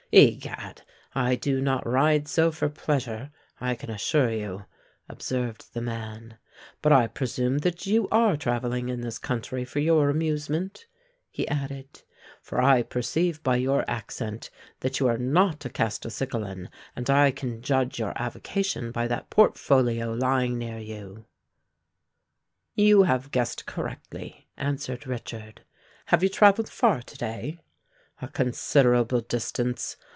"Egad! I do not ride so for pleasure, I can assure you," observed the man. "But I presume that you are travelling in this country for your amusement," he added: "for I perceive by your accent that you are not a Castelcicalan, and I can judge your avocation by that portfolio lying near you." "You have guessed correctly," answered Richard. "Have you travelled far to day?" "A considerable distance.